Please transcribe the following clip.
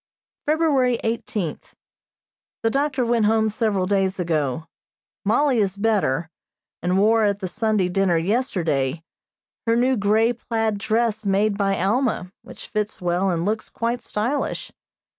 February eighteenth: The doctor went home several days ago. Mollie is better, and wore, at the Sunday dinner yesterday, her new grey plaid dress made by Alma, which fits well and looks quite stylish.